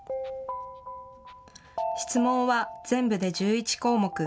質問は全部で１１項目。